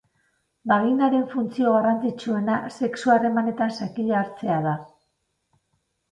Baginaren funtzio garrantzitsuena sexu harremanetan zakila hartzea da.